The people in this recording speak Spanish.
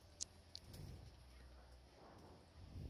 Fue amigo cercano del presidente Antonio López de Santa Anna.